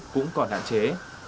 cũng còn hạn chế